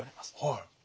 はい。